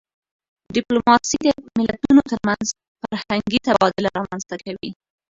ډيپلوماسي د ملتونو ترمنځ فرهنګي تبادله رامنځته کوي.